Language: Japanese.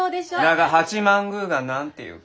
だが八幡宮が何て言うか。